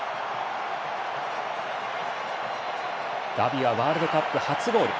ガビはワールドカップ初ゴール。